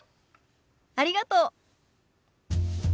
ありがとう。